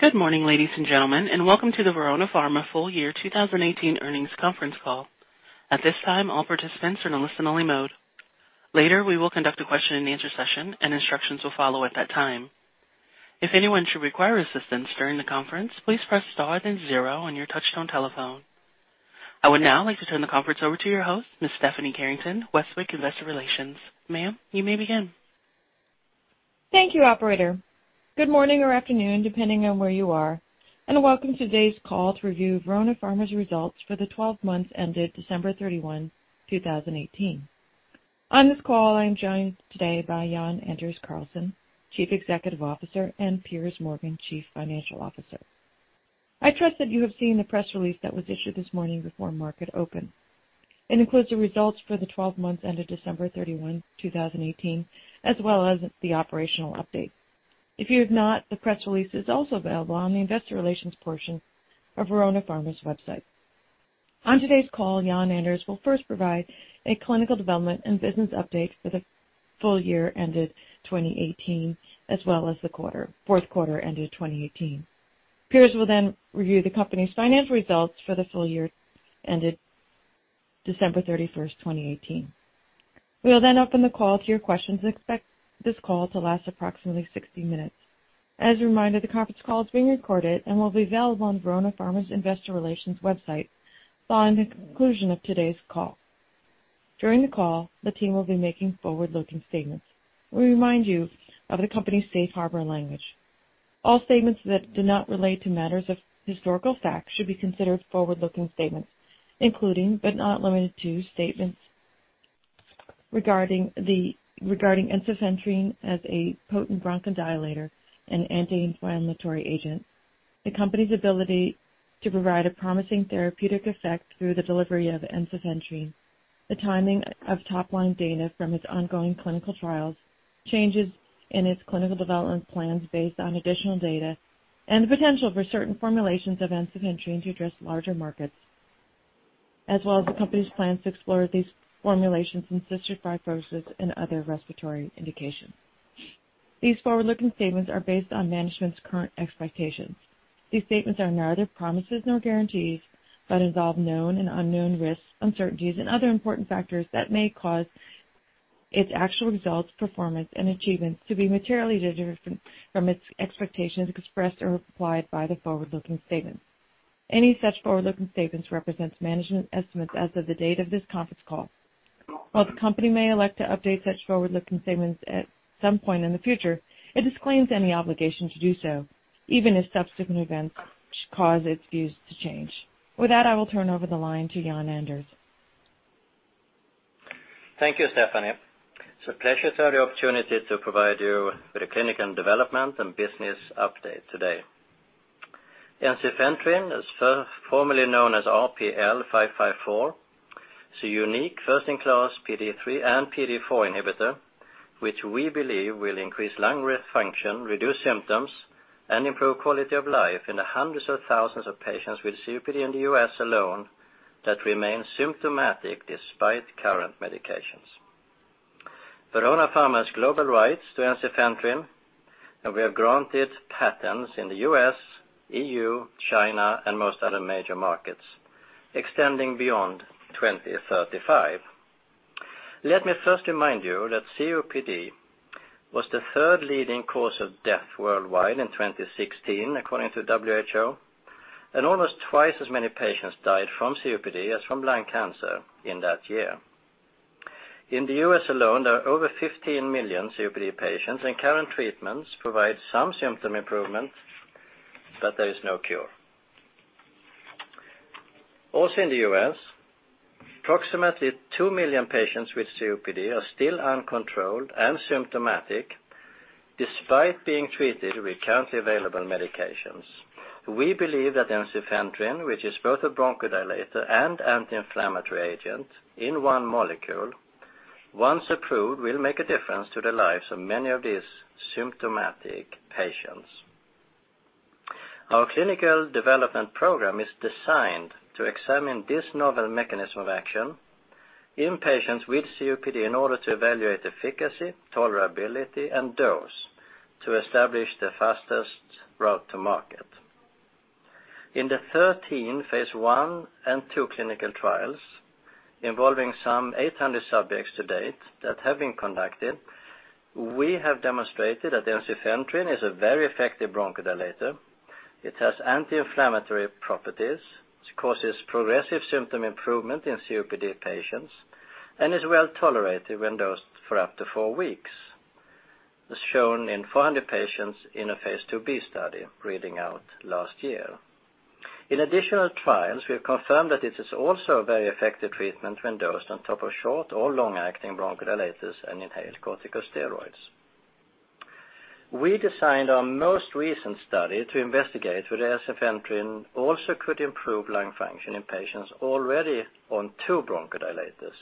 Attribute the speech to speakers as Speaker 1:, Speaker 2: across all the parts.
Speaker 1: Good morning, ladies and gentlemen, welcome to the Verona Pharma full year 2018 earnings conference call. At this time, all participants are in listen only mode. Later, we will conduct a question and answer session, and instructions will follow at that time. If anyone should require assistance during the conference, please press star then zero on your touchtone telephone. I would now like to turn the conference over to your host, Ms. Stephanie Carrington, Westwicke Investor Relations. Ma'am, you may begin.
Speaker 2: Thank you, operator. Good morning or afternoon, depending on where you are, welcome to today's call to review Verona Pharma's results for the 12 months ended December 31, 2018. On this call, I'm joined today by Jan-Anders Karlsson, chief executive officer, and Piers Morgan, chief financial officer. I trust that you have seen the press release that was issued this morning before market open. It includes the results for the 12 months ended December 31, 2018, as well as the operational update. If you have not, the press release is also available on the investor relations portion of Verona Pharma's website. On today's call, Jan-Anders will first provide a clinical development and business update for the full year ended 2018, as well as the fourth quarter ended 2018. Piers will review the company's financial results for the full year ended December 31, 2018. We will open the call to your questions and expect this call to last approximately 60 minutes. As a reminder, the conference call is being recorded and will be available on Verona Pharma's investor relations website following the conclusion of today's call. During the call, the team will be making forward-looking statements. We remind you of the company's safe harbor language. All statements that do not relate to matters of historical fact should be considered forward-looking statements, including, but not limited to, statements regarding ensifentrine as a potent bronchodilator and anti-inflammatory agent, the company's ability to provide a promising therapeutic effect through the delivery of ensifentrine, the timing of top-line data from its ongoing clinical trials, changes in its clinical development plans based on additional data, and the potential for certain formulations of ensifentrine to address larger markets, as well as the company's plans to explore these formulations in cystic fibrosis and other respiratory indications. These forward-looking statements are based on management's current expectations. These statements are neither promises nor guarantees, involve known and unknown risks, uncertainties and other important factors that may cause its actual results, performance and achievements to be materially different from its expectations expressed or implied by the forward-looking statements. Any such forward-looking statements represents management estimates as of the date of this conference call. While the company may elect to update such forward-looking statements at some point in the future, it disclaims any obligation to do so, even if subsequent events should cause its views to change. With that, I will turn over the line to Jan-Anders.
Speaker 3: Thank you, Stephanie. It's a pleasure to have the opportunity to provide you with a clinical development and business update today. Ensifentrine, formerly known as RPL554, is a unique first-in-class PDE3 and PDE4 inhibitor, which we believe will increase lung function, reduce symptoms, and improve quality of life in the hundreds of thousands of patients with COPD in the U.S. alone that remain symptomatic despite current medications. Verona Pharma has global rights to ensifentrine, and we have granted patents in the U.S., EU, China, and most other major markets, extending beyond 2035. Let me first remind you that COPD was the third leading cause of death worldwide in 2016, according to WHO, and almost twice as many patients died from COPD as from lung cancer in that year. In the U.S. alone, there are over 15 million COPD patients. Current treatments provide some symptom improvement, but there is no cure. In the U.S., approximately 2 million patients with COPD are still uncontrolled and symptomatic despite being treated with currently available medications. We believe that ensifentrine, which is both a bronchodilator and anti-inflammatory agent in one molecule, once approved, will make a difference to the lives of many of these symptomatic patients. Our clinical development program is designed to examine this novel mechanism of action in patients with COPD in order to evaluate efficacy, tolerability, and dose to establish the fastest route to market. In the 13 phase I and II clinical trials involving some 800 subjects to date that have been conducted, we have demonstrated that ensifentrine is a very effective bronchodilator. It has anti-inflammatory properties, causes progressive symptom improvement in COPD patients, and is well-tolerated when dosed for up to four weeks, as shown in 400 patients in a phase IIb study reading out last year. Additional trials, we have confirmed that it is also a very effective treatment when dosed on top of short or long-acting bronchodilators and inhaled corticosteroids. We designed our most recent study to investigate whether ensifentrine also could improve lung function in patients already on two bronchodilators,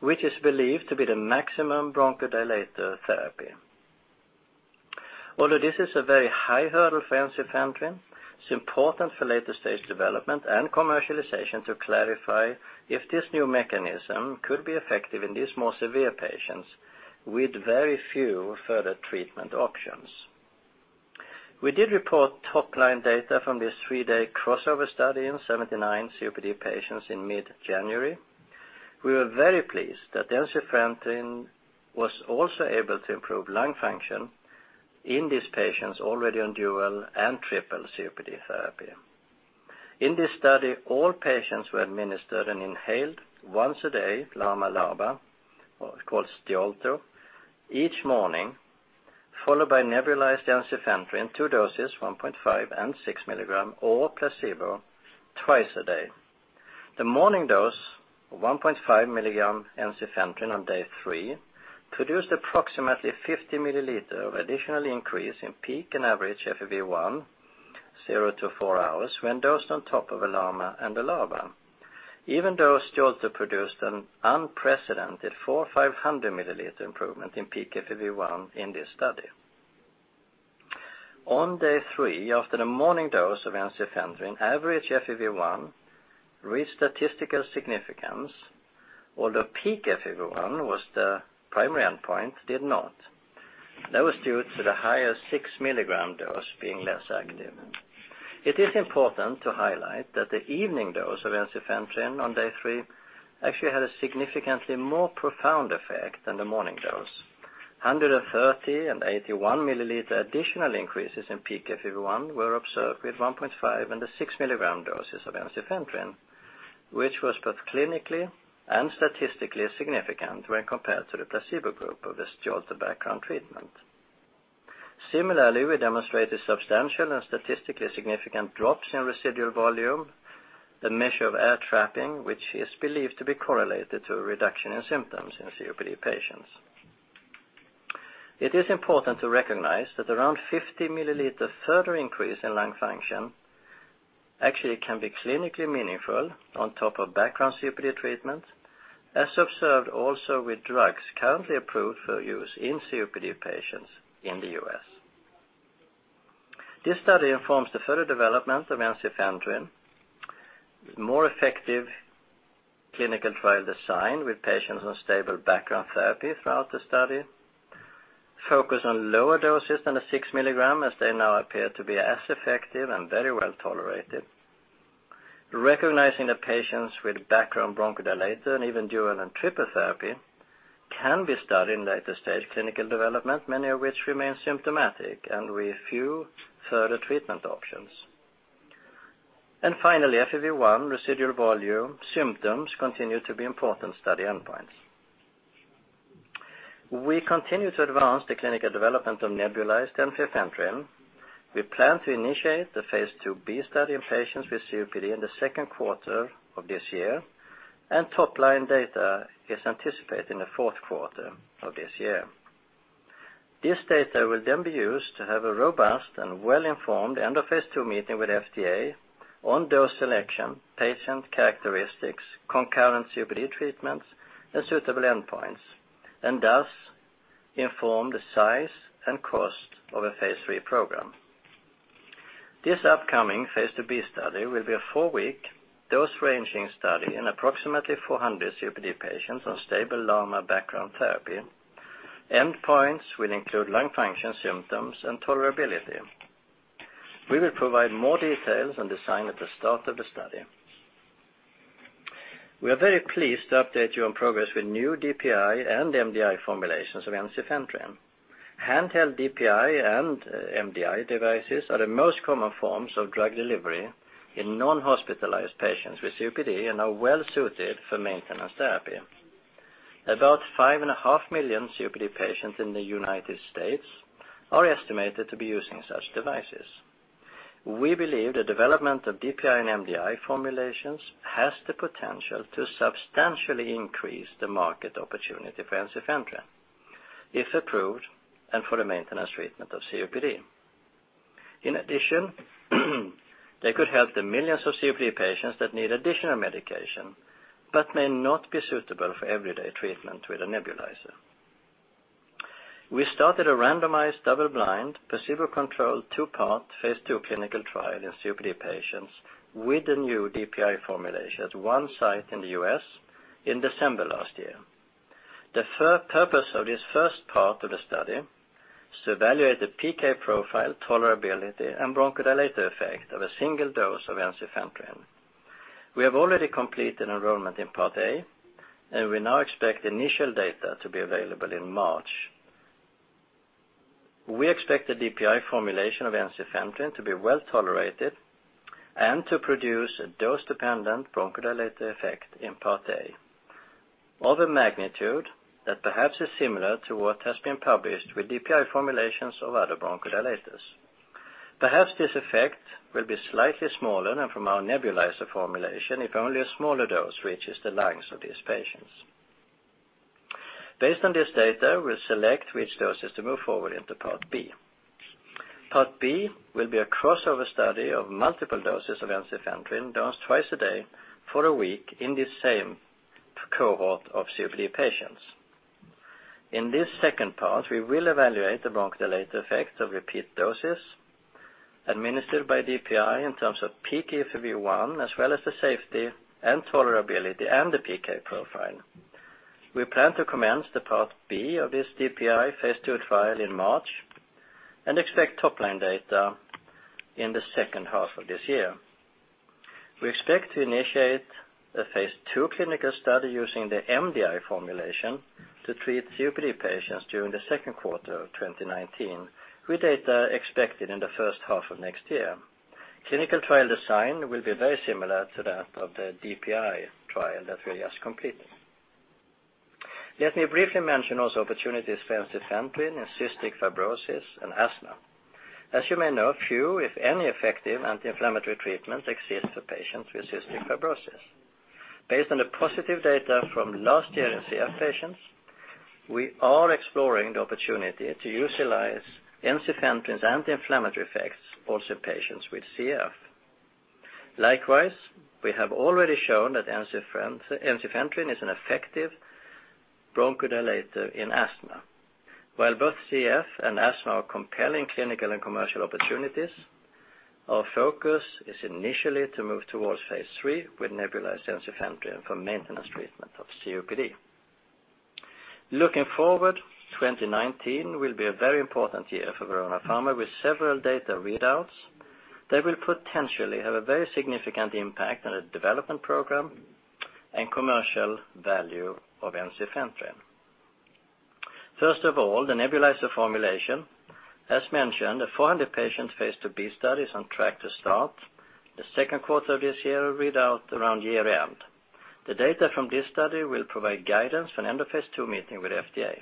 Speaker 3: which is believed to be the maximum bronchodilator therapy. This is a very high hurdle for ensifentrine. It's important for later-stage development and commercialization to clarify if this new mechanism could be effective in these more severe patients with very few further treatment options. We did report top-line data from this three-day crossover study in 79 COPD patients in mid-January. We were very pleased that ensifentrine was also able to improve lung function in these patients already on dual and triple COPD therapy. In this study, all patients were administered an inhaled once a day, LAMA, LABA, called Stiolto, each morning, followed by nebulized ensifentrine, two doses, 1.5 and 6 milligrams or placebo twice a day. The morning dose, 1.5 milligrams ensifentrine on day three, produced approximately 50 milliliters of additional increase in peak and average FEV1, zero to four hours, when dosed on top of a LAMA and a LABA. Even though Stiolto produced an unprecedented 400 or 500-milliliter improvement in peak FEV1 in this study. On day three, after the morning dose of ensifentrine, average FEV1 reached statistical significance, although peak FEV1, the primary endpoint, did not. That was due to the higher 6-milligram dose being less active. It is important to highlight that the evening dose of ensifentrine on day three actually had a significantly more profound effect than the morning dose. 130 and 81 milliliters additional increases in peak FEV1 were observed with 1.5 and the 6-milligram doses of ensifentrine, which was both clinically and statistically significant when compared to the placebo group of the Stiolto background treatment. Similarly, we demonstrated substantial and statistically significant drops in residual volume, the measure of air trapping, which is believed to be correlated to a reduction in symptoms in COPD patients. It is important to recognize that around 50 milliliters further increase in lung function actually can be clinically meaningful on top of background COPD treatment, as observed also with drugs currently approved for use in COPD patients in the U.S. This study informs the further development of ensifentrine. More effective clinical trial design with patients on stable background therapy throughout the study. Focus on lower doses than the 6 milligrams, as they now appear to be as effective and very well-tolerated. Recognizing the patients with background bronchodilator and even dual and triple therapy can be studied in later-stage clinical development, many of which remain symptomatic and with few further treatment options. Finally, FEV1 residual volume symptoms continue to be important study endpoints. We continue to advance the clinical development of nebulized ensifentrine. We plan to initiate the Phase IIB study in patients with COPD in the second quarter of this year, and top-line data is anticipated in the fourth quarter of this year. This data will be used to have a robust and well-informed end of Phase II meeting with FDA on dose selection, patient characteristics, concurrent COPD treatments, and suitable endpoints, thus inform the size and cost of a Phase III program. This upcoming Phase IIB study will be a 4-week dose-ranging study in approximately 400 COPD patients on stable LAMA background therapy. Endpoints will include lung function symptoms and tolerability. We will provide more details on design at the start of the study. We are very pleased to update you on progress with new DPI and MDI formulations of ensifentrine. Handheld DPI and MDI devices are the most common forms of drug delivery in non-hospitalized patients with COPD and are well-suited for maintenance therapy. About 5.5 million COPD patients in the U.S. are estimated to be using such devices. We believe the development of DPI and MDI formulations has the potential to substantially increase the market opportunity for ensifentrine, if approved, and for the maintenance treatment of COPD. In addition, they could help the millions of COPD patients that need additional medication but may not be suitable for everyday treatment with a nebulizer. We started a randomized, double-blind, placebo-controlled, two-part, phase II clinical trial in COPD patients with the new DPI formulation at one site in the U.S. in December last year. The purpose of this first part of the study is to evaluate the PK profile, tolerability, and bronchodilator effect of a single dose of ensifentrine. We have already completed enrollment in Part A, and we now expect initial data to be available in March. We expect the DPI formulation of ensifentrine to be well-tolerated and to produce a dose-dependent bronchodilator effect in Part A of a magnitude that perhaps is similar to what has been published with DPI formulations of other bronchodilators. Perhaps this effect will be slightly smaller than from our nebulizer formulation if only a smaller dose reaches the lungs of these patients. Based on this data, we will select which doses to move forward into Part B. Part B will be a crossover study of multiple doses of ensifentrine dosed twice a day for a week in the same cohort of COPD patients. In this second part, we will evaluate the bronchodilator effects of repeat doses administered by DPI in terms of pFEV1, as well as the safety and tolerability and the PK profile. We plan to commence the Part B of this DPI phase II trial in March and expect top-line data in the second half of this year. We expect to initiate a phase II clinical study using the MDI formulation to treat COPD patients during the second quarter of 2019, with data expected in the first half of next year. Clinical trial design will be very similar to that of the DPI trial that we just completed. Let me briefly mention also opportunities for ensifentrine in cystic fibrosis and asthma. As you may know, few, if any effective anti-inflammatory treatments exist for patients with cystic fibrosis. Based on the positive data from last year in CF patients, we are exploring the opportunity to utilize ensifentrine's anti-inflammatory effects also in patients with CF. Likewise, we have already shown that ensifentrine is an effective bronchodilator in asthma. While both CF and asthma are compelling clinical and commercial opportunities, our focus is initially to move towards phase III with nebulized ensifentrine for maintenance treatment of COPD. Looking forward, 2019 will be a very important year for Verona Pharma, with several data readouts that will potentially have a very significant impact on the development program and commercial value of ensifentrine. First of all, the nebulizer formulation. As mentioned, a 400-patient phase IIb study is on track to start in the second quarter of this year, with readout around year-end. The data from this study will provide guidance for an end-of-phase II meeting with the FDA.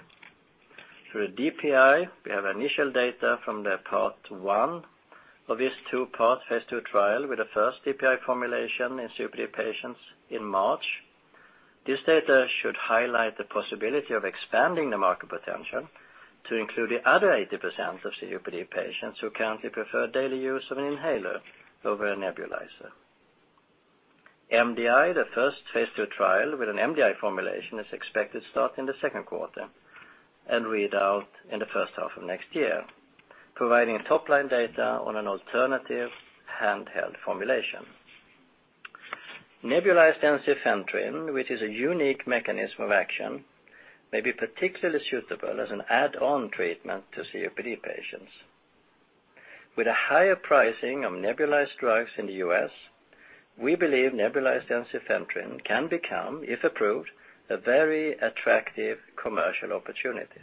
Speaker 3: For the DPI, we have initial data from the Part 1 of this two-part phase II trial with the first DPI formulation in COPD patients in March. This data should highlight the possibility of expanding the market potential to include the other 80% of COPD patients who currently prefer daily use of an inhaler over a nebulizer. MDI, the first phase II trial with an MDI formulation, is expected to start in the second quarter and read out in the first half of next year, providing top-line data on an alternative handheld formulation. Nebulized ensifentrine, which is a unique mechanism of action, may be particularly suitable as an add-on treatment to COPD patients. With a higher pricing of nebulized drugs in the U.S., we believe nebulized ensifentrine can become, if approved, a very attractive commercial opportunity.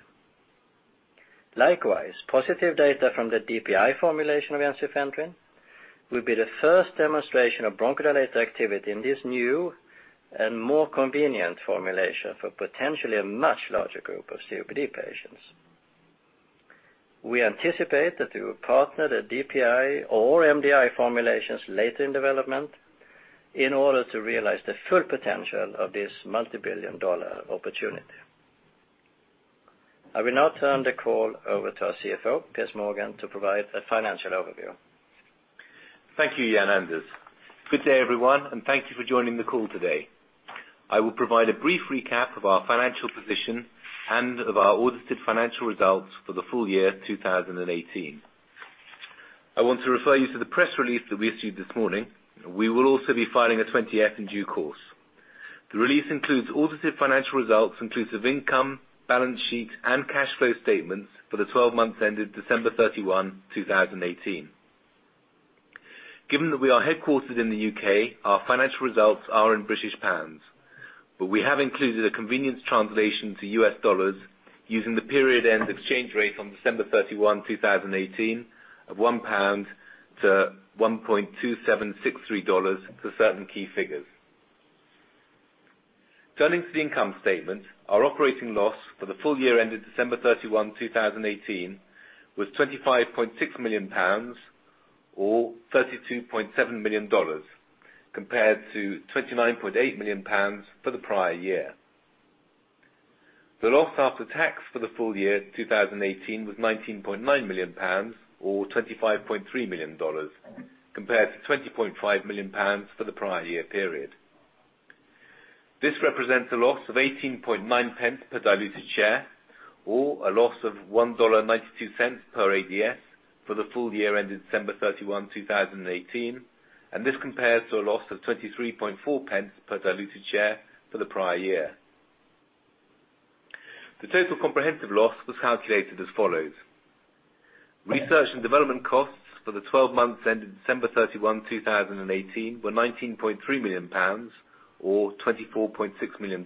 Speaker 3: Likewise, positive data from the DPI formulation of ensifentrine will be the first demonstration of bronchodilator activity in this new and more convenient formulation for potentially a much larger group of COPD patients. We anticipate that we will partner the DPI or MDI formulations later in development in order to realize the full potential of this multibillion-dollar opportunity. I will now turn the call over to our CFO, Piers Morgan, to provide a financial overview.
Speaker 4: Thank you, Jan-Anders. Good day, everyone, and thank you for joining the call today. I will provide a brief recap of our financial position and of our audited financial results for the full year 2018. I want to refer you to the press release that we issued this morning. We will also be filing a 20-F in due course. The release includes audited financial results inclusive income, balance sheet, and cash flow statements for the 12 months ended December 31, 2018. Given that we are headquartered in the U.K., our financial results are in British pounds. But we have included a convenience translation to US dollars using the period end exchange rate on December 31, 2018, of GBP 1 to $1.2763 for certain key figures. Turning to the income statement. Our operating loss for the full year ended December 31, 2018, was 25.6 million pounds, or $32.7 million, compared to 29.8 million pounds for the prior year. The loss after tax for the full year 2018 was GBP 19.9 million, or $25.3 million, compared to 20.5 million pounds for the prior year period. This represents a loss of 0.189 per diluted share, or a loss of $1.92 per ADS, for the full year ended December 31, 2018, and this compares to a loss of 0.234 per diluted share for the prior year. The total comprehensive loss was calculated as follows. Research and development costs for the 12 months ended December 31, 2018, were GBP 19.3 million, or $24.6 million,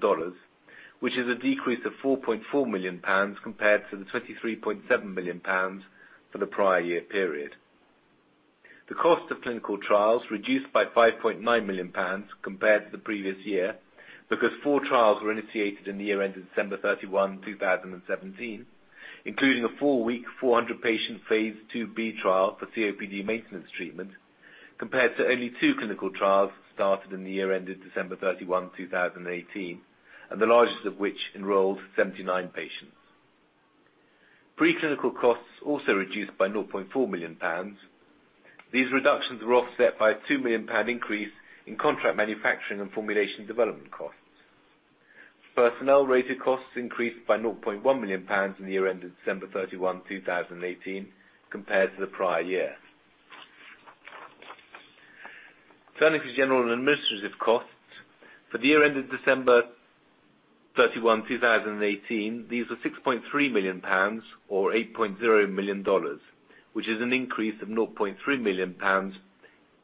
Speaker 4: which is a decrease of 4.4 million pounds compared to the 23.7 million pounds for the prior year period. The cost of clinical trials reduced by 5.9 million pounds compared to the previous year, because four trials were initiated in the year ended December 31, 2017, including a four-week, 400-patient phase IIb trial for COPD maintenance treatment, compared to only two clinical trials started in the year ended December 31, 2018, and the largest of which enrolled 79 patients. Preclinical costs also reduced by 0.4 million pounds. These reductions were offset by a 2 million pound increase in contract manufacturing and formulation development costs. Personnel-related costs increased by 0.1 million pounds in the year ended December 31, 2018, compared to the prior year. Turning to general and administrative costs. For the year ended December 31, 2018, these were 6.3 million pounds or $8.0 million, which is an increase of 0.3 million pounds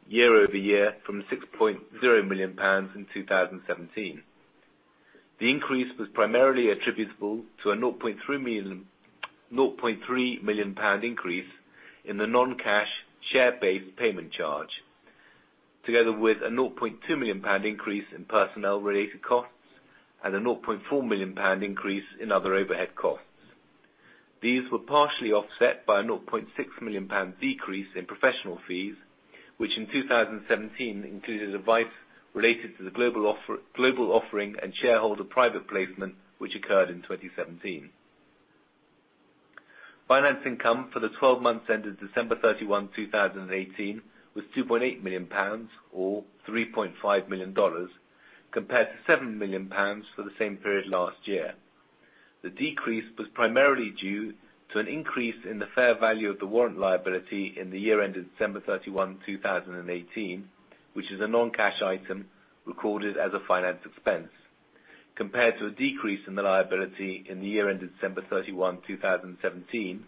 Speaker 4: year-over-year from 6.0 million pounds in 2017. The increase was primarily attributable to a 0.3 million increase in the non-cash share-based payment charge, together with a 0.2 million pound increase in personnel-related costs and a 0.4 million pound increase in other overhead costs. These were partially offset by a 0.6 million pound decrease in professional fees, which in 2017 included advice related to the global offering and shareholder private placement, which occurred in 2017. Finance income for the 12 months ended December 31, 2018 was 2.8 million pounds or $3.5 million, compared to 7 million pounds for the same period last year. The decrease was primarily due to an increase in the fair value of the warrant liability in the year ended December 31, 2018, which is a non-cash item recorded as a finance expense, compared to a decrease in the liability in the year ended December 31, 2017,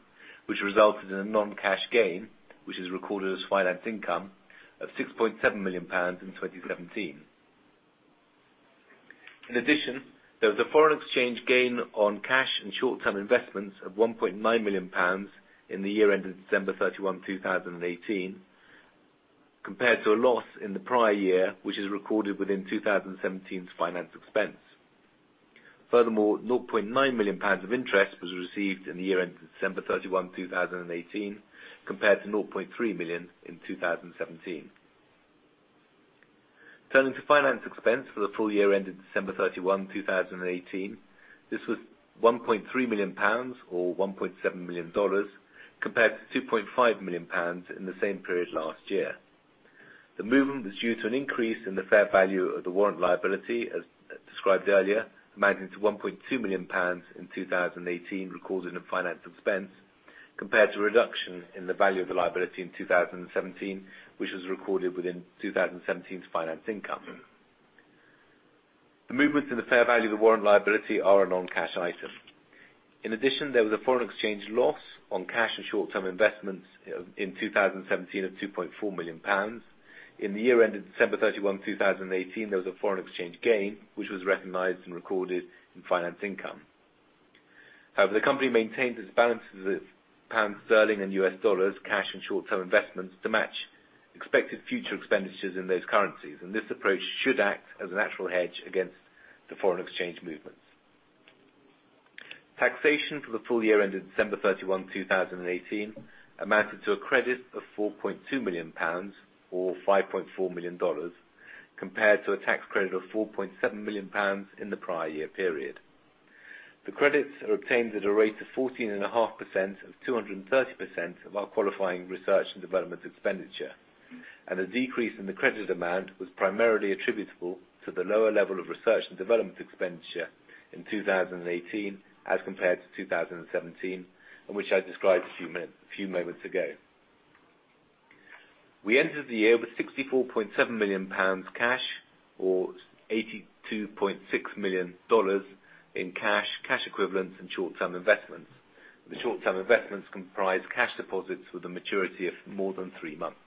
Speaker 4: which resulted in a non-cash gain, which is recorded as finance income of GBP 6.7 million in 2017. In addition, there was a foreign exchange gain on cash and short-term investments of 1.9 million pounds in the year ended December 31, 2018, compared to a loss in the prior year, which is recorded within 2017's finance expense. Furthermore, 0.9 million pounds of interest was received in the year ended December 31, 2018, compared to 0.3 million in 2017. Turning to finance expense for the full year ended December 31, 2018. This was 1.3 million pounds or $1.7 million, compared to 2.5 million pounds in the same period last year. The movement was due to an increase in the fair value of the warrant liability, as described earlier, amounting to 1.2 million pounds in 2018 recorded in finance expense, compared to a reduction in the value of the liability in 2017, which was recorded within 2017's finance income. The movements in the fair value of the warrant liability are a non-cash item. In addition, there was a foreign exchange loss on cash and short-term investments in 2017 of GBP 2.4 million. In the year ended December 31, 2018, there was a foreign exchange gain, which was recognized and recorded in finance income. The company maintains its balances of pound sterling and US dollars, cash and short-term investments to match expected future expenditures in those currencies. This approach should act as a natural hedge against the foreign exchange movements. Taxation for the full year ended December 31, 2018, amounted to a credit of 4.2 million pounds or $5.4 million, compared to a tax credit of 4.7 million pounds in the prior year period. The credits are obtained at a rate of 14.5% of 230% of our qualifying research and development expenditure. A decrease in the credit amount was primarily attributable to the lower level of research and development expenditure in 2018 as compared to 2017, which I described a few moments ago. We entered the year with GBP 64.7 million cash or $82.6 million in cash equivalents, and short-term investments. The short-term investments comprise cash deposits with a maturity of more than three months.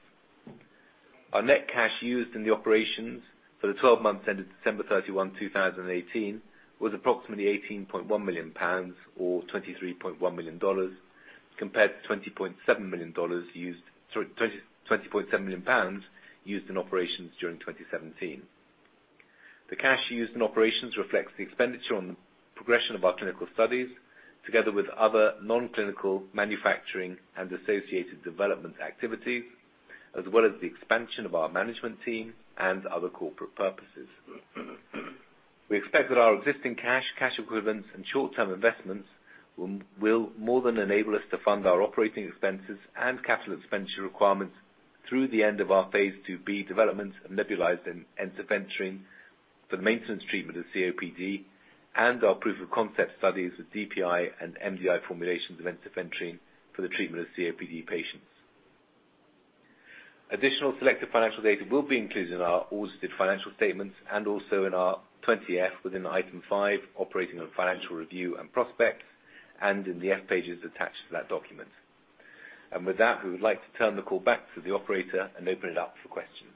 Speaker 4: Our net cash used in the operations for the 12 months ended December 31, 2018, was approximately GBP 18.1 million or $23.1 million compared to GBP 20.7 million used in operations during 2017. The cash used in operations reflects the expenditure on the progression of our clinical studies, together with other non-clinical manufacturing and associated development activities, as well as the expansion of our management team and other corporate purposes. We expect that our existing cash equivalents, and short-term investments will more than enable us to fund our operating expenses and capital expenditure requirements through the end of our phase IIb development of nebulized ensifentrine for the maintenance treatment of COPD and our proof of concept studies with DPI and MDI formulations of ensifentrine for the treatment of COPD patients. Additional selected financial data will be included in our audited financial statements and also in our 20-F within Item 5, Operating and Financial Review and Prospects, and in the F pages attached to that document. With that, we would like to turn the call back to the operator and open it up for questions.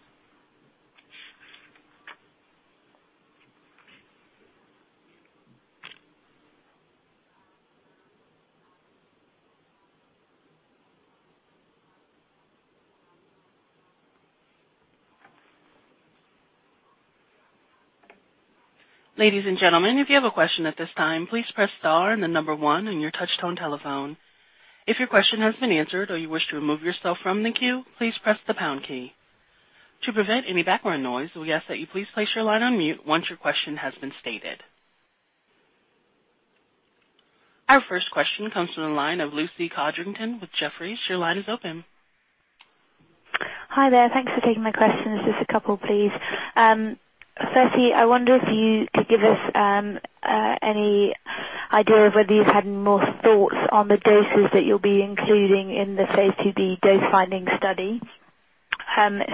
Speaker 1: Ladies and gentlemen, if you have a question at this time, please press star and the number one on your touch-tone telephone. If your question has been answered or you wish to remove yourself from the queue, please press the pound key. To prevent any background noise, we ask that you please place your line on mute once your question has been stated. Our first question comes from the line of Lucy Codrington with Jefferies. Your line is open.
Speaker 5: Hi there. Thanks for taking my questions. Just a couple, please. Firstly, I wonder if you could give us any idea of whether you've had more thoughts on the doses that you'll be including in the phase IIb dose-finding study.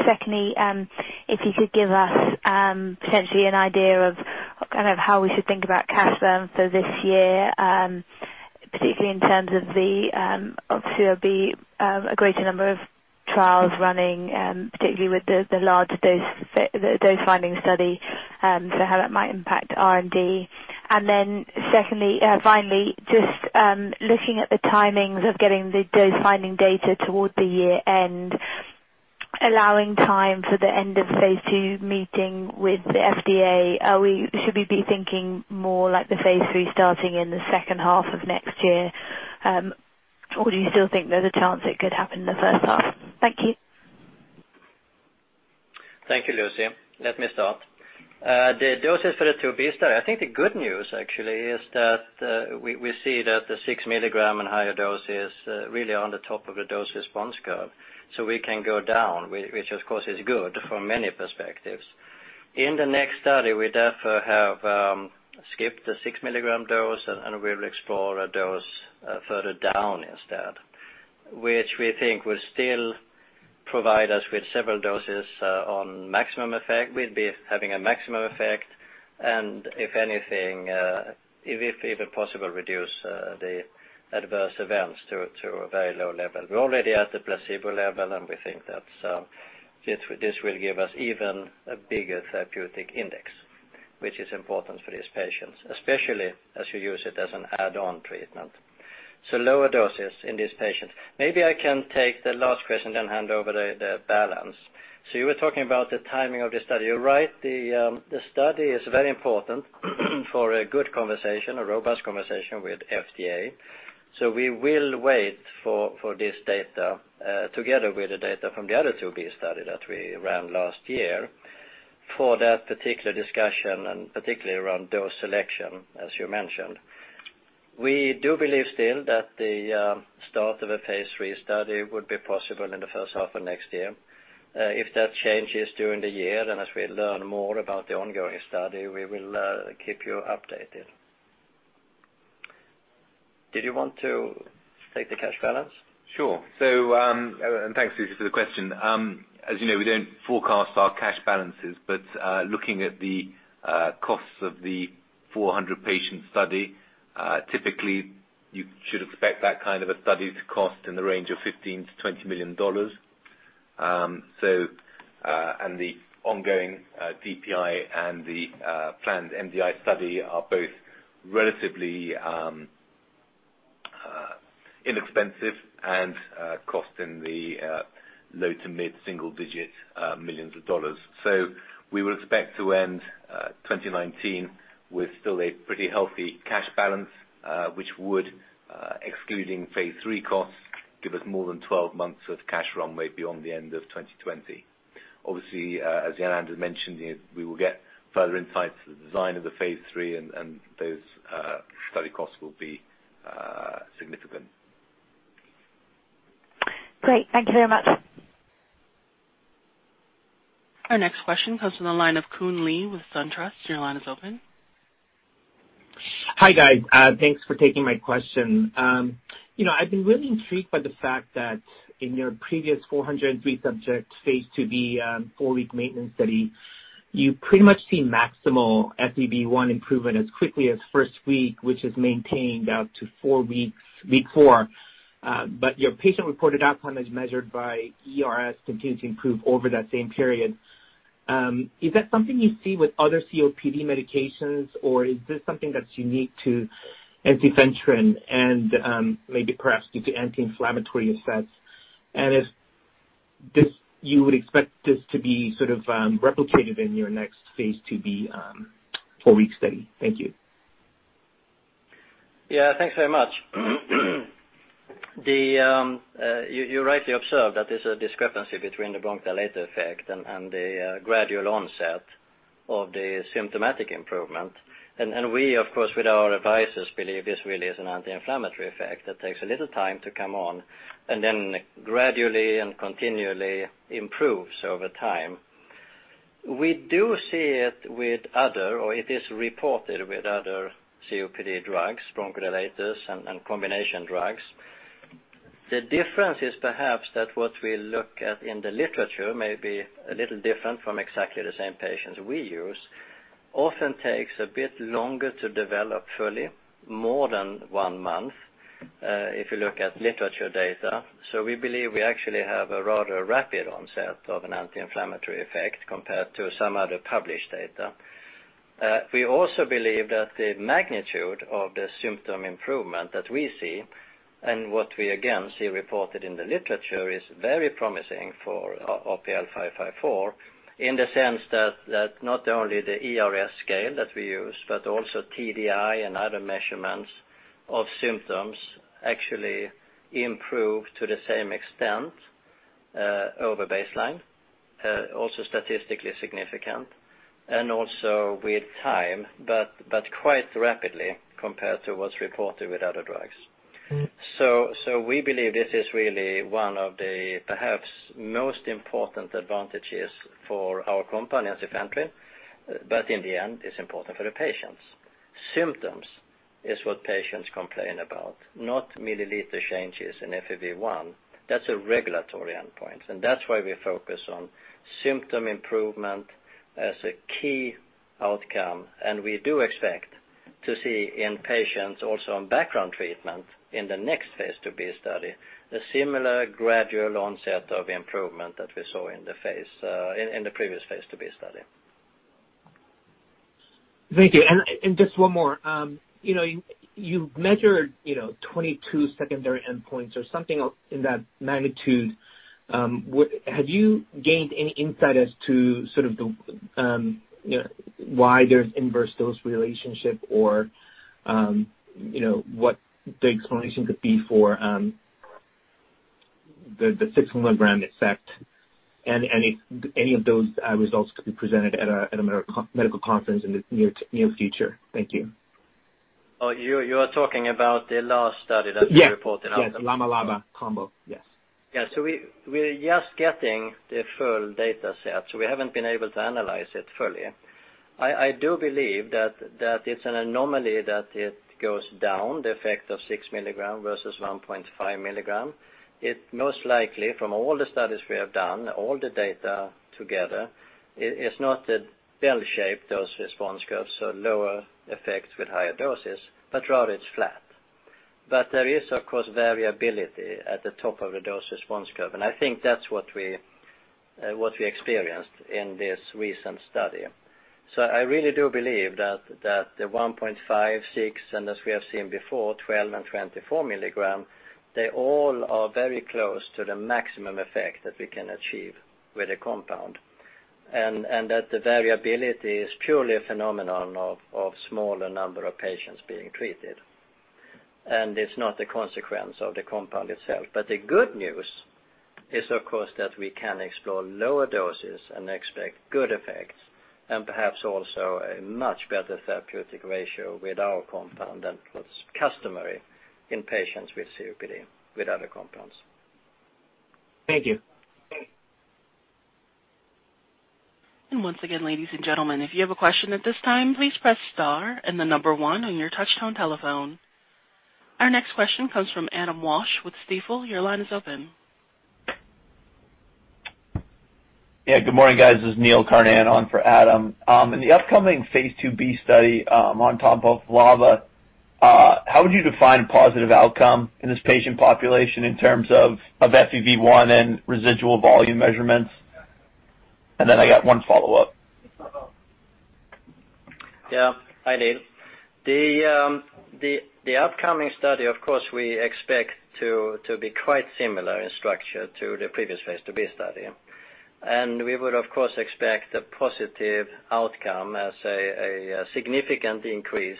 Speaker 5: Secondly, if you could give us potentially an idea of how we should think about cash burn for this year, particularly in terms of the IIb, a greater number of trials running, particularly with the large dose-finding study, how that might impact R&D. Finally, just looking at the timings of getting the dose-finding data toward the year end, allowing time for the end of phase II meeting with the FDA, should we be thinking more like the phase III starting in the second half of next year? Or do you still think there's a chance it could happen in the first half? Thank you.
Speaker 3: Thank you, Lucy. Let me start. The doses for the phase IIb study, I think the good news actually is that we see that the 6 milligram and higher dose is really on the top of the dose response curve. We can go down, which of course is good from many perspectives. In the next study, we therefore have skipped the 6 milligram dose and we'll explore a dose further down instead, which we think will still provide us with several doses on maximum effect. We'll be having a maximum effect and if anything, if even possible, reduce the adverse events to a very low level. We're already at the placebo level, and we think that this will give us even a bigger therapeutic index, which is important for these patients, especially as you use it as an add-on treatment. Lower doses in these patients. Maybe I can take the last question, hand over the balance. You were talking about the timing of the study. You're right, the study is very important for a good conversation, a robust conversation with FDA. We will wait for this data, together with the data from the other phase IIb study that we ran last year, for that particular discussion and particularly around dose selection, as you mentioned. We do believe still that the start of a phase III study would be possible in the first half of next year. If that changes during the year, as we learn more about the ongoing study, we will keep you updated. Did you want to take the cash balance?
Speaker 4: Sure. Thanks Lucy for the question. As you know, we don't forecast our cash balances, but looking at the costs of the 400-patient study, typically you should expect that kind of a study to cost in the range of $15 million-$20 million. The ongoing DPI and the planned MDI study are both relatively inexpensive and cost in the low to mid-single digit millions of dollars. We would expect to end 2019 with still a pretty healthy cash balance, which would excluding phase III costs, give us more than 12 months of cash runway beyond the end of 2020. Obviously, as Jan-Anders had mentioned, we will get further insights into the design of the phase III, and those study costs will be significant.
Speaker 5: Great. Thank you very much.
Speaker 1: Our next question comes from the line of Koon Lee with SunTrust. Your line is open.
Speaker 6: Hi, guys. Thanks for taking my question. I've been really intrigued by the fact that in your previous 403 subjects phase IIb four-week maintenance study, you pretty much see maximal FEV1 improvement as quickly as first week, which is maintained out to four weeks before. Your patient-reported outcome as measured by E-RS continued to improve over that same period. Is that something you see with other COPD medications, or is this something that's unique to ensifentrine and maybe perhaps due to anti-inflammatory effects? You would expect this to be sort of replicated in your next phase IIb four-week study? Thank you.
Speaker 3: Thanks very much. You rightly observed that there's a discrepancy between the bronchodilator effect and the gradual onset of the symptomatic improvement. We, of course, with our advisors, believe this really is an anti-inflammatory effect that takes a little time to come on, and then gradually and continually improves over time. We do see it with other, or it is reported with other COPD drugs, bronchodilators and combination drugs. The difference is perhaps that what we look at in the literature may be a little different from exactly the same patients we use. Often takes a bit longer to develop fully, more than one month, if you look at literature data. We believe we actually have a rather rapid onset of an anti-inflammatory effect compared to some other published data. We also believe that the magnitude of the symptom improvement that we see and what we again see reported in the literature is very promising for RPL554 in the sense that not only the E-RS scale that we use, but also TDI and other measurements of symptoms actually improve to the same extent over baseline, also statistically significant, and also with time, quite rapidly compared to what's reported with other drugs. We believe this is really one of the perhaps most important advantages for our company, ensifentrine. In the end, it's important for the patients. Symptoms is what patients complain about, not milliliter changes in FEV1. That's a regulatory endpoint, and that's why we focus on symptom improvement as a key outcome. We do expect to see in patients also on background treatment in the next phase IIb study, a similar gradual onset of improvement that we saw in the previous phase IIb study.
Speaker 6: Thank you. Just one more. You've measured 22 secondary endpoints or something in that magnitude. Have you gained any insight as to sort of why there's inverse dose relationship or what the explanation could be for the six-milligram effect and any of those results could be presented at a medical conference in the near future? Thank you.
Speaker 3: You are talking about the last study that we reported on.
Speaker 6: Yes. LAMA-LABA combo. Yes.
Speaker 3: Yeah. We're just getting the full data set, so we haven't been able to analyze it fully. I do believe that it's an anomaly that it goes down the effect of 6 milligram versus 1.5 milligram. It most likely, from all the studies we have done, all the data together, it is not the bell-shape dose-response curves so lower effect with higher doses, but rather it's flat. There is, of course, variability at the top of the dose-response curve, and I think that's what we experienced in this recent study. I really do believe that the 1.56, and as we have seen before, 12 and 24 milligram, they all are very close to the maximum effect that we can achieve with a compound, and that the variability is purely a phenomenon of smaller number of patients being treated. It's not the consequence of the compound itself. The good news is, of course, that we can explore lower doses and expect good effects and perhaps also a much better therapeutic ratio with our compound than what's customary in patients with COPD with other compounds.
Speaker 6: Thank you.
Speaker 1: Once again, ladies and gentlemen, if you have a question at this time, please press star and the number 1 on your touchtone telephone. Our next question comes from Adam Walsh with Stifel. Your line is open.
Speaker 7: Good morning, guys. This is Neil Carnan on for Adam. In the upcoming phase IIb study on top of LABA, how would you define positive outcome in this patient population in terms of FEV1 and residual volume measurements? I got one follow-up.
Speaker 3: Hi Neil. The upcoming study, of course, we expect to be quite similar in structure to the previous phase IIb study. We would, of course, expect a positive outcome as a significant increase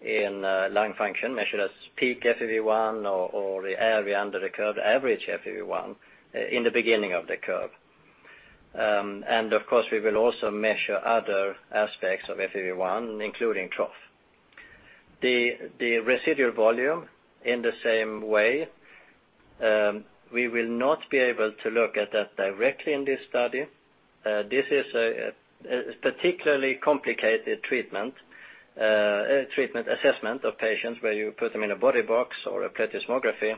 Speaker 3: in lung function measured as peak FEV1 or the area under the curve, average FEV1 in the beginning of the curve. Of course, we will also measure other aspects of FEV1, including trough. The residual volume in the same way. We will not be able to look at that directly in this study. This is a particularly complicated treatment assessment of patients where you put them in a body box or a plethysmography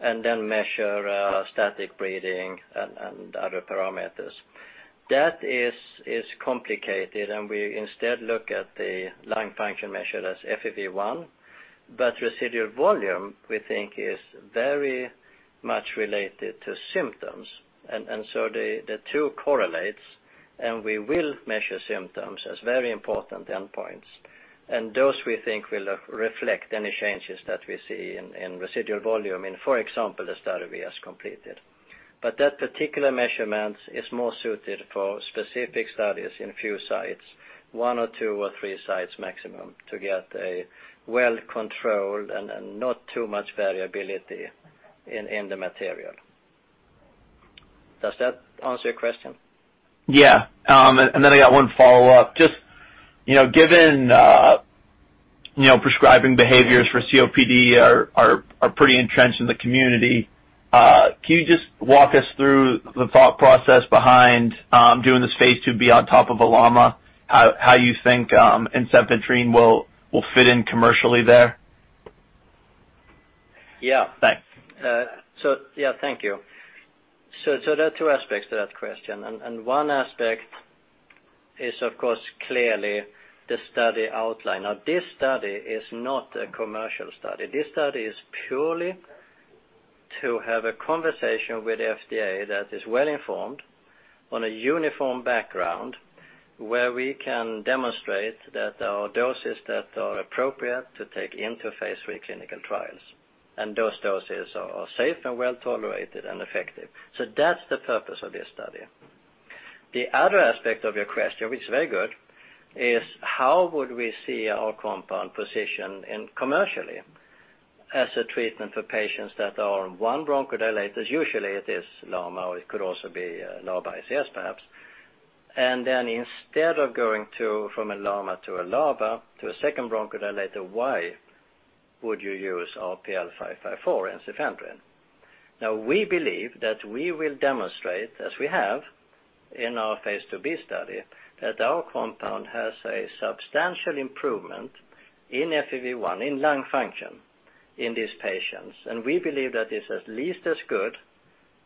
Speaker 3: and then measure static breathing and other parameters. That is complicated, we instead look at the lung function measured as FEV1. Residual volume, we think, is very much related to symptoms. The two correlates, we will measure symptoms as very important endpoints. Those, we think, will reflect any changes that we see in residual volume in, for example, a study we just completed. That particular measurement is more suited for specific studies in few sites, one or two or three sites maximum to get a well-controlled and not too much variability in the material. Does that answer your question?
Speaker 7: Yeah. I got one follow-up. Just given prescribing behaviors for COPD are pretty entrenched in the community, can you just walk us through the thought process behind doing this Phase IIb on top of LAMA? How you think ensifentrine will fit in commercially there?
Speaker 3: Yeah.
Speaker 7: Thanks.
Speaker 3: Yeah, thank you. There are two aspects to that question. One aspect is, of course, clearly the study outline. Now, this study is not a commercial study. This study is purely to have a conversation with FDA that is well-informed on a uniform background where we can demonstrate that there are doses that are appropriate to take into Phase III clinical trials. Those doses are safe and well-tolerated and effective. That's the purpose of this study. The other aspect of your question, which is very good, is how would we see our compound positioned commercially as a treatment for patients that are on one bronchodilator. Usually, it is LAMA, or it could also be LABA ICS perhaps. Instead of going from a LAMA to a LABA to a second bronchodilator, why would you use our RPL554 ensifentrine? We believe that we will demonstrate, as we have in our Phase IIb study, that our compound has a substantial improvement in FEV1, in lung function in these patients. We believe that it's at least as good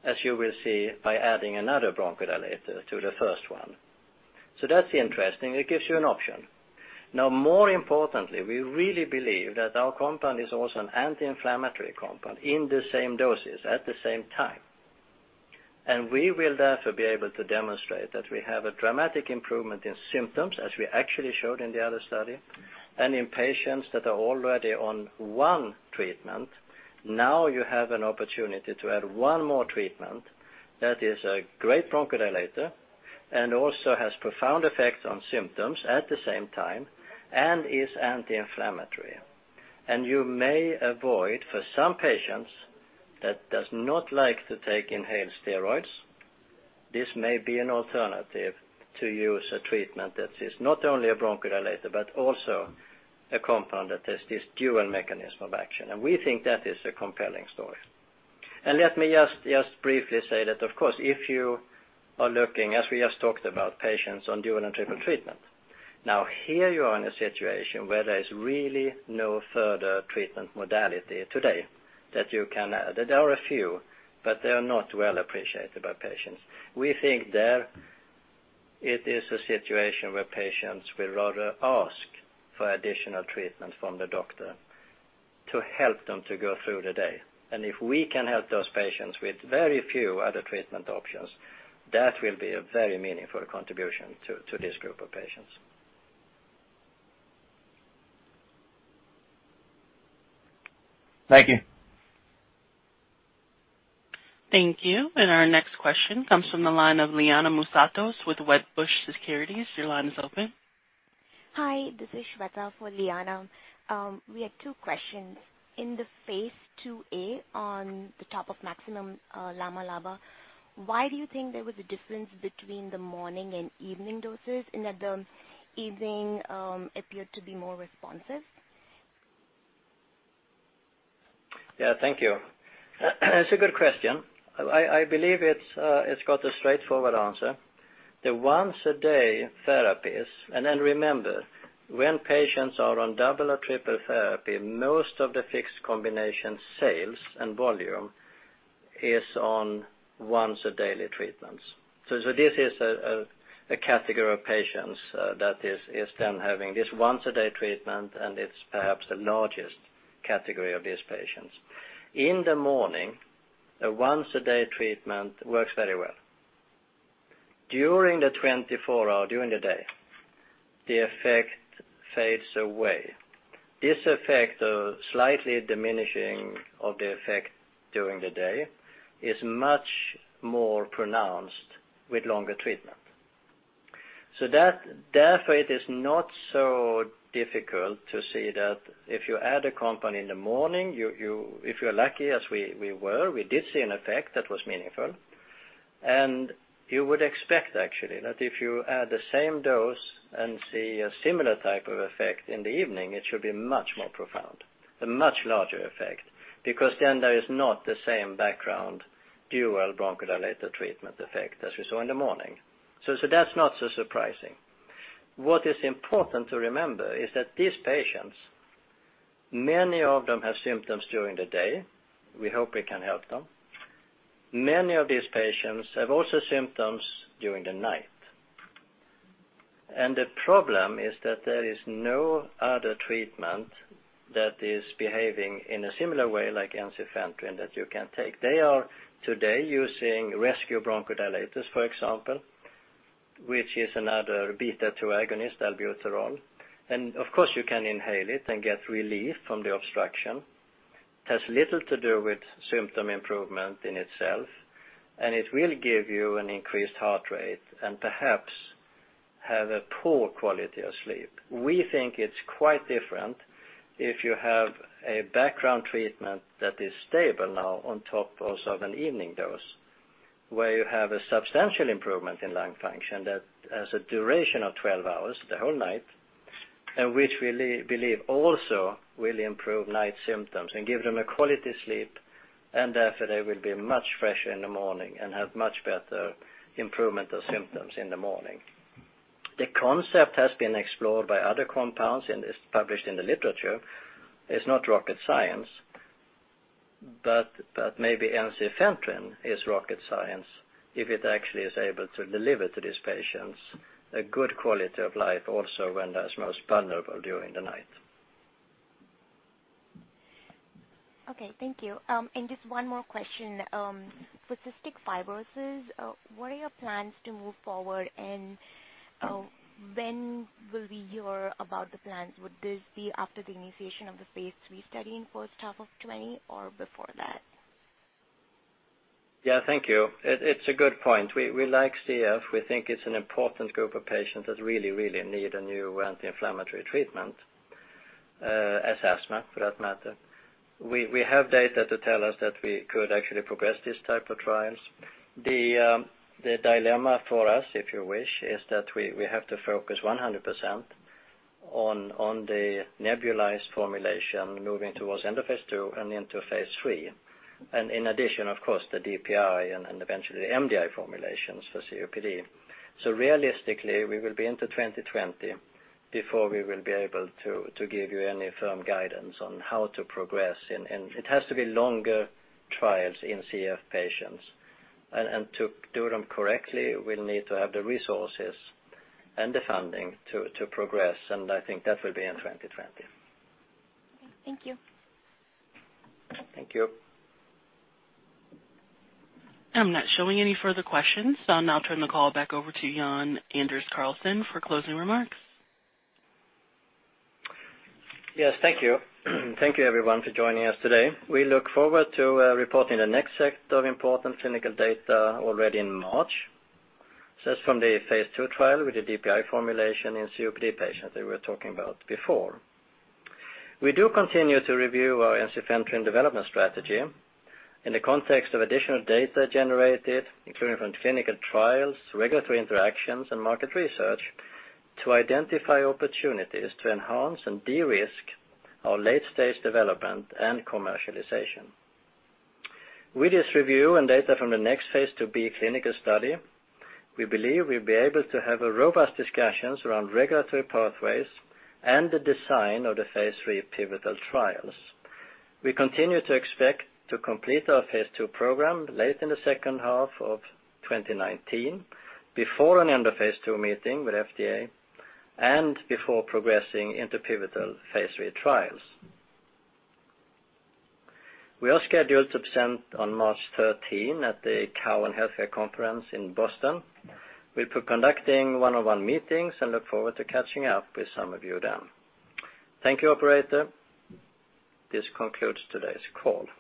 Speaker 3: as you will see by adding another bronchodilator to the first one. That's interesting. It gives you an option. More importantly, we really believe that our compound is also an anti-inflammatory compound in the same doses at the same time. We will therefore be able to demonstrate that we have a dramatic improvement in symptoms, as we actually showed in the other study, and in patients that are already on one treatment. You have an opportunity to add one more treatment that is a great bronchodilator and also has profound effects on symptoms at the same time, and is anti-inflammatory. You may avoid, for some patients that does not like to take inhaled steroids, this may be an alternative to use a treatment that is not only a bronchodilator, but also a compound that has this dual mechanism of action. We think that is a compelling story. Let me just briefly say that, of course, if you are looking, as we just talked about, patients on dual and triple treatment. Here you are in a situation where there's really no further treatment modality today that you can add. There are a few, but they are not well appreciated by patients. We think there it is a situation where patients will rather ask for additional treatment from the doctor to help them to go through the day. If we can help those patients with very few other treatment options, that will be a very meaningful contribution to this group of patients.
Speaker 7: Thank you.
Speaker 1: Thank you. Our next question comes from the line of Liana Moussatos with Wedbush Securities. Your line is open.
Speaker 8: Hi, this is Shweta for Liana. We had two questions. In the phase IIa on top of maximum LAMA-LABA, why do you think there was a difference between the morning and evening doses, and that the evening appeared to be more responsive?
Speaker 3: Yeah, thank you. It's a good question. I believe it's got a straightforward answer. The once-a-day therapies, remember, when patients are on double or triple therapy, most of the fixed combination sales and volume is on once-a-daily treatments. This is a category of patients that is then having this once-a-day treatment, and it's perhaps the largest category of these patients. In the morning, a once-a-day treatment works very well. During the 24-hour, during the day, the effect fades away. This effect of slightly diminishing of the effect during the day is much more pronounced with longer treatment. It is not so difficult to see that if you add a compound in the morning, if you're lucky as we were, we did see an effect that was meaningful. You would expect, actually, that if you add the same dose and see a similar type of effect in the evening, it should be much more profound. A much larger effect, because then there is not the same background dual bronchodilator treatment effect as we saw in the morning. That's not so surprising. What is important to remember is that these patients, many of them have symptoms during the day. We hope we can help them. Many of these patients have also symptoms during the night. The problem is that there is no other treatment that is behaving in a similar way like ensifentrine that you can take. They are today using rescue bronchodilators, for example, which is another beta-2 agonist, albuterol. Of course you can inhale it and get relief from the obstruction. It has little to do with symptom improvement in itself, and it will give you an increased heart rate and perhaps have a poor quality of sleep. We think it's quite different if you have a background treatment that is stable now on top also of an evening dose, where you have a substantial improvement in lung function that has a duration of 12 hours, the whole night, and which we believe also will improve night symptoms and give them a quality sleep, and therefore they will be much fresher in the morning and have much better improvement of symptoms in the morning. The concept has been explored by other compounds, and it's published in the literature. It's not rocket science. Maybe ensifentrine is rocket science if it actually is able to deliver to these patients a good quality of life also when that's most vulnerable during the night.
Speaker 8: Okay, thank you. Just one more question. For cystic fibrosis, what are your plans to move forward, and when will we hear about the plans? Would this be after the initiation of the phase III study in first half of 2020 or before that?
Speaker 3: Yeah. Thank you. It's a good point. We like CF. We think it's an important group of patients that really need a new anti-inflammatory treatment, as asthma, for that matter. We have data to tell us that we could actually progress this type of trials. The dilemma for us, if you wish, is that we have to focus 100% on the nebulized formulation moving towards end of phase II and into phase III. In addition, of course, the DPI and eventually MDI formulations for COPD. Realistically, we will be into 2020 before we will be able to give you any firm guidance on how to progress. It has to be longer trials in CF patients. To do them correctly, we'll need to have the resources and the funding to progress. I think that will be in 2020.
Speaker 8: Okay. Thank you.
Speaker 3: Thank you.
Speaker 1: I'm not showing any further questions. I'll now turn the call back over to Jan-Anders Karlsson for closing remarks.
Speaker 3: Yes. Thank you. Thank you everyone for joining us today. We look forward to reporting the next set of important clinical data already in March. That's from the phase II trial with the DPI formulation in COPD patients that we were talking about before. We do continue to review our ensifentrine development strategy in the context of additional data generated, including from clinical trials, regulatory interactions, and market research, to identify opportunities to enhance and de-risk our late-stage development and commercialization. With this review and data from the next phase IIb clinical study, we believe we'll be able to have robust discussions around regulatory pathways and the design of the phase III pivotal trials. We continue to expect to complete our phase II program late in the second half of 2019, before an end of phase II meeting with FDA, and before progressing into pivotal phase III trials. We are scheduled to present on March 13 at the Cowen Healthcare Conference in Boston. We'll be conducting one-on-one meetings and look forward to catching up with some of you then. Thank you, operator. This concludes today's call.